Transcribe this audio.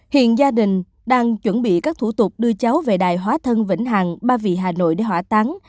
hiện gia đình đang chuẩn bị các thủ tục đưa cháu về đài hóa thân vĩnh hằng ba vì hà nội để hỏa táng